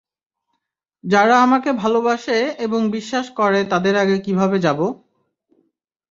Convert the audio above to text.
যারা আমাকে ভালোবাসে এবং বিশ্বাস করে তাদের আগে কীভাবে যাবো?